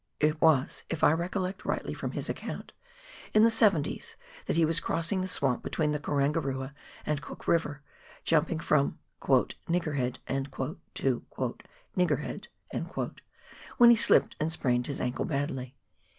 It was, if I recollect rightly from his account, in the seventies that he was crossing the swamp between the Karan garua and Cook River, jumping from " niggerhead " to " nig gerhead," when he slipped and sprained his ankle badly.